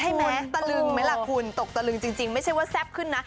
ตะลึงไหมล่ะคุณตกตะลึงจริงไม่ใช่ว่าแซ่บขึ้นนะ